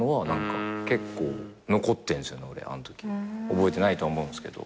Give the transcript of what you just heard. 覚えてないとは思うんですけど。